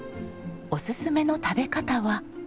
おすすめの食べ方は。